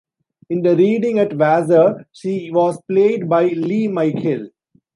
In the reading at Vassar, she was played by Lea Michele.